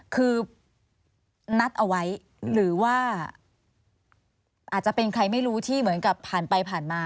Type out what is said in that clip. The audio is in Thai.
คือนัดเอาไว้หรือว่าอาจจะเป็นใครไม่รู้ที่เหมือนกับผ่านไปผ่านมา